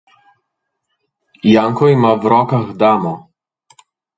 Janko ima v rokah damo.